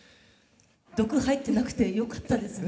毒入ってなくてよかったですね